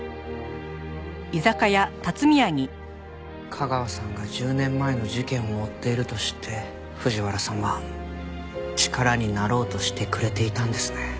架川さんが１０年前の事件を追っていると知って藤原さんは力になろうとしてくれていたんですね。